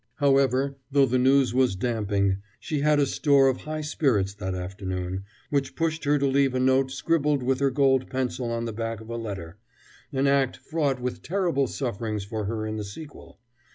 However, though the news was damping, she had a store of high spirits that afternoon, which pushed her to leave a note scribbled with her gold pencil on the back of a letter an act fraught with terrible sufferings for her in the sequel.